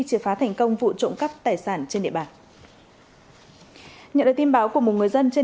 triệt phá thành công vụ trộm cắp tài sản trên địa bàn nhận được tin báo của một người dân trên